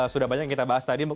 sudah banyak yang kita bahas tadi